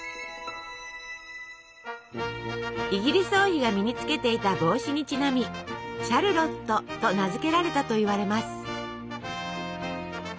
イギリス王妃が身につけていた帽子にちなみ「シャルロット」と名付けられたといわれます。